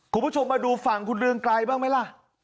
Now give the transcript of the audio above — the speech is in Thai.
คุณผู้ชมมาดูฝั่งคุณเรืองไกรบ้างไหมล่ะ